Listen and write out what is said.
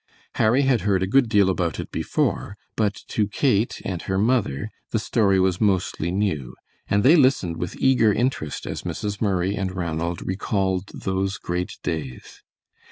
Harry had heard a good deal about it before, but to Kate and her mother the story was mostly new, and they listened with eager interest as Mrs. Murray and Ranald recalled those great days.